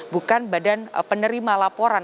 bukan badan penerima laporan